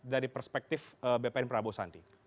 dari perspektif bpn prabowo sandi